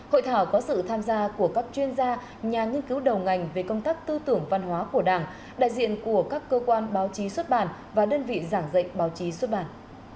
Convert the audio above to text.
hội thảo có sự tham gia của các chuyên gia nhà nghiên cứu đầu ngành về công tác tư tưởng văn hóa của đảng đại diện của các cơ quan báo chí xuất bản và đơn vị giảng dạy báo chí xuất bản